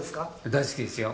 大好きですよ。